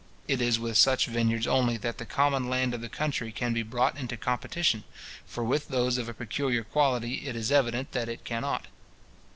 It is with such vineyards only, that the common land of the country can be brought into competition; for with those of a peculiar quality it is evident that it cannot.